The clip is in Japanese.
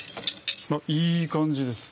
いい感じです！